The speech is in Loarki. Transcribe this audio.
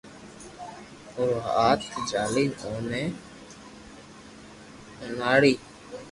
اورو ھاٿ جھالِین اوني اُوٺاڙي